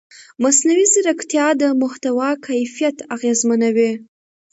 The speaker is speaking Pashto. مصنوعي ځیرکتیا د محتوا کیفیت اغېزمنوي.